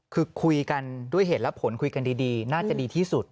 คือคุยกันด้วยเหตุและผลคุยกันดีน่าจะดีที่สุด